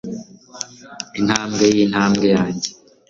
Intambwe yintambwe yanjye